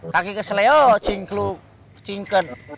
kaki kesel eo cingkluk cingkan